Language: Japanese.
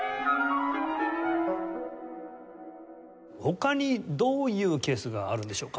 他にどういうケースがあるんでしょうか？